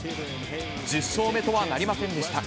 １０勝目とはなりませんでした。